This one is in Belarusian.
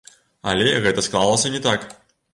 Але гэта склалася не так.